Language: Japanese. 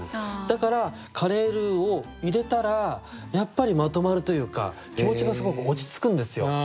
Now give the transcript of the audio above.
だからカレールーを入れたらやっぱりまとまるというか気持ちがすごく落ち着くんですよ。